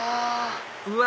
うわ！